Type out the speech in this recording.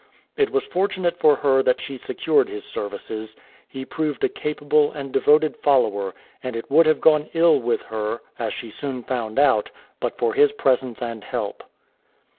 It was fortunate for her that she secured his services. He proved a capable and devoted follower, and it would have gone ill with her, as she soon found out, but for his presence and help.